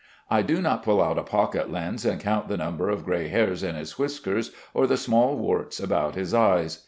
I do not pull out a pocket lens and count the number of gray hairs in his whiskers, or the small warts about his eyes.